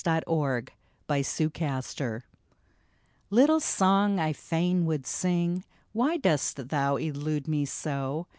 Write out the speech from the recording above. A LITTLE SONG Little song I fain would sing, Why dost thou elude me so